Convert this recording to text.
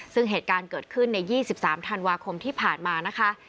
ซึ่งเหตุการณ์เกิดขึ้นใน๒๓ธันวาคมที่ผ่านมานะคะ